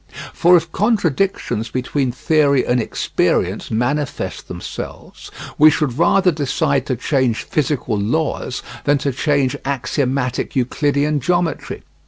For if contradictions between theory and experience manifest themselves, we should rather decide to change physical laws than to change axiomatic Euclidean geometry.